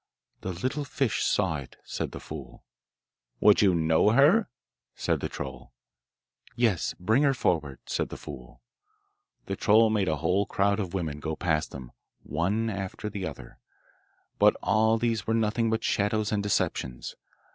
'The little fish saw it,' said the fool. 'Would you know her?' said the troll. 'Yes, bring her forward,' said the fool. The troll made a whole crowd of women go past them, one after the other, but all these were nothing but shadows and deceptions.